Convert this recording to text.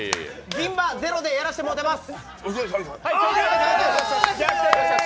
銀歯ゼロでやらせてもうてます。